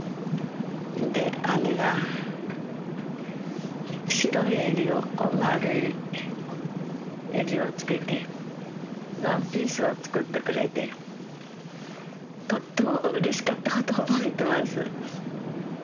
で姉が白い襟をこう丸い襟をつけてワンピースを作ってくれてとってもうれしかったことを覚えてます。